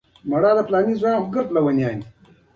بټري انرژي ذخیره کوي.